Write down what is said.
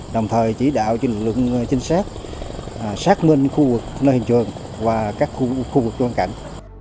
đồng thời chỉ đạo cho lực lượng trinh sát xác minh khu vực nơi hình trường và các khu vực quan cảnh